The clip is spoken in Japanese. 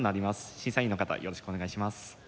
審査員の方よろしくお願いします。